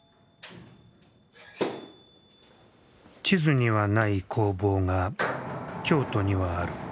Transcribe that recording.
地図にはない工房が京都にはある。